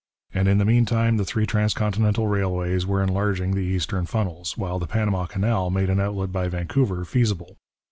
And in the meantime the three transcontinental railways were enlarging the eastern funnels, while the Panama Canal made an outlet by Vancouver feasible.